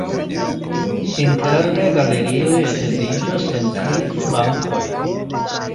Interne galerioj etendiĝas en tri flankoj.